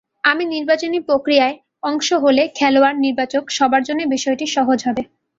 আমি নির্বাচনী প্রক্রিয়ার অংশ হলে খেলোয়াড়, নির্বাচক সবার জন্যই বিষয়টি সহজ হবে।